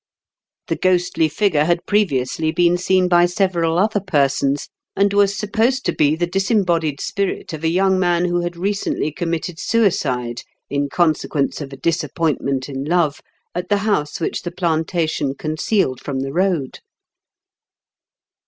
GE08T 8EEING. 171 The ghostly figure had previously been seen by several other persons, and was supposed to be the disembodied spirit of a young man who had recently committed suicide, in consequence of a disappointment in love, at the house which the plantation concealed from the road."